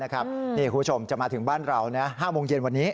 คุณผู้ชมจะมาถึงบ้านเรา๕โมงเย็นวันนี้